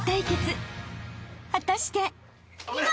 ［果たして］